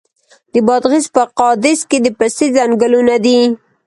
د بادغیس په قادس کې د پستې ځنګلونه دي.